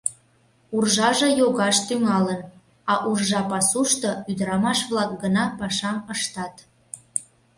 Уржаже йогаш тӱҥалын, а уржа пасушто ӱдырамаш-влак гына пашам ыштат.